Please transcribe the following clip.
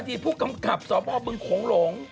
อันนี้ผู้กำกับสอบบ้อมมึงโขงหลง